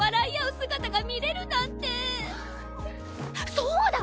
そうだ！